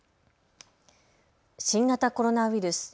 新型コロナウイルス。